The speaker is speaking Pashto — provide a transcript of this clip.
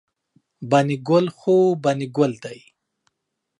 بانی ګل خو بانی ګل داي